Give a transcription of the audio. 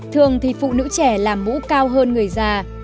thường thì phụ nữ trẻ làm mũ cao hơn người già